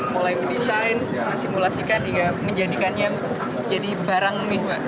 mulai mendesain mensimulasikan hingga menjadikannya jadi barang nih mbak